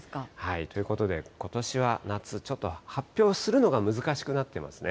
ということで、ことしは夏、ちょっと発表するのが難しくなってまなるほど。